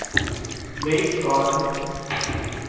Based on